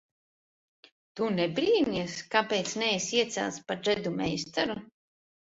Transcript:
Tu nebrīnies, kāpēc neesi iecelts par džedu meistaru?